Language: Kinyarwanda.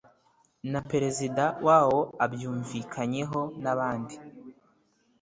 na perezida wawo abyumvikanyeho n abandi